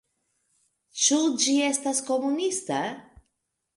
Ĉu ĝi estas komunista?